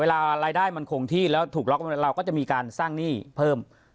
รายได้มันคงที่แล้วถูกล็อกเราก็จะมีการสร้างหนี้เพิ่ม